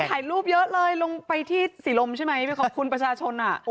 ถ่ายรูปเยอะเลยลงไปที่ศรีลมใช่ไหมไปขอบคุณประชาชนอ่ะ